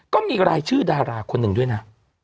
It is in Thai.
ก็มีรายชื่อดาราคนหนึ่งด้วยนะ